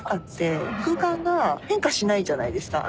鷦屬涼罎辰空間が変化しないじゃないですか。